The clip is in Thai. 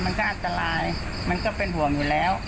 มันก็อันตรายมันก็เป็นห่วงอยู่แล้ว